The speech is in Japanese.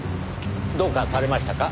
どうかされましたか？